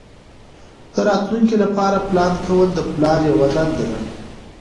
د راتلونکي لپاره پلان کول د پلار یوه دنده ده.